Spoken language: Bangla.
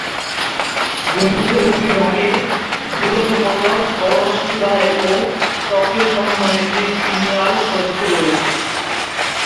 গম্বুজের উপরিভাগে ফুটন্ত পদ্ম, কলসচূড়া ও চক্রের সমন্বয়ে গঠিত ফিনিয়াল সজ্জিত রয়েছে।